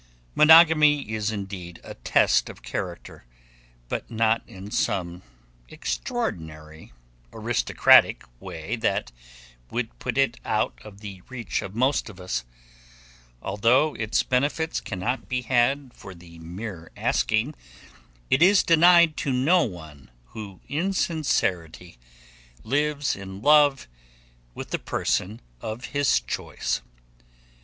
Monogamy is indeed a test of character, but not in some extraordinary, aristocratic way that would put it out of the reach of most of us. Although its benefits cannot be had for the mere asking, it is denied to no one who in sincerity lives in love with the person of his choice.